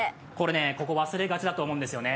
忘れがちだと思うんですよね。